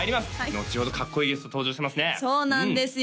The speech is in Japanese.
のちほどかっこいいゲスト登場しますねそうなんですよ